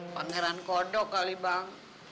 pangeran kodok kali bang